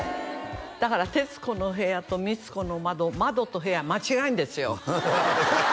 だから「徹子の部屋」と「光子の窓」「窓」と「部屋」間違えるんですよ